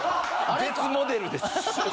別モデルです。